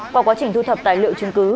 qua quá trình thu thập tài liệu chứng cứ